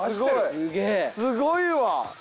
すごいわ。